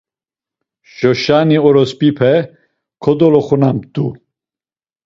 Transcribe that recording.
Şoşani orosp̌ipe kodoloxunamt̆u.